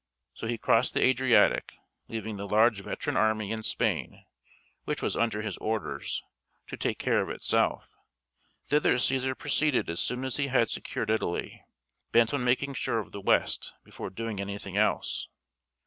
So he crossed the Adriatic, leaving the large veteran army in Spain, which was under his orders, to take care of itself. Thither Cæsar proceeded as soon as he had secured Italy, bent on making sure of the West before doing anything else.